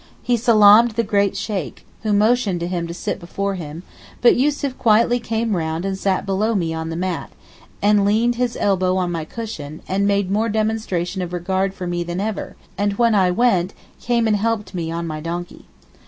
He salaamed the great Sheykh, who motioned to him to sit before him, but Yussuf quietly came round and sat below me on the mat, leaned his elbow on my cushion, and made more demonstration of regard for me than ever, and when I went came and helped me on my donkey.